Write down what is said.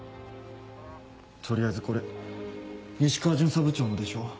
取りあえずこれ石川巡査部長のでしょ。